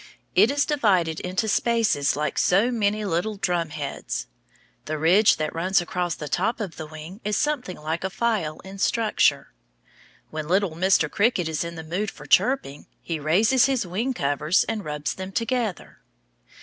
It is divided into spaces like so many little drum heads. The ridge that runs across the top of the wing is something like a file in structure. When little Mr. Cricket is in the mood for chirping, he raises his wing covers and rubs them together.